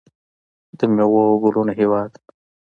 د میوو او ګلونو هیواد.